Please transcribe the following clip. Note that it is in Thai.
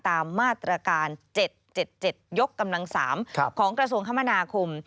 ตามมาตรการ๗๗ยกกำลัง๓ของกระทรวงคมนาคม